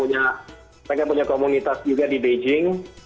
mereka punya komunitas juga di beijing